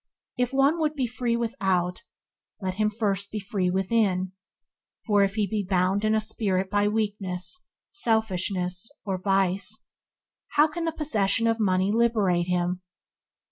If one would be free without, let him first be free within, for if he be bound in a spirit by weakness, selfishness, or vice, how can the possession of money liberate him!